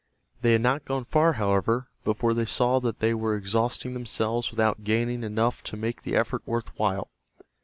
They had not gone far, however, before they saw that they were exhausting themselves without gaining enough to make the effort worth while.